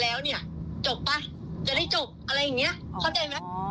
แล้วเนี่ยจบป่ะจะได้จบอะไรอย่างนี้เข้าใจมั้ย